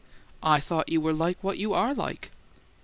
"I thought you were like what you ARE like."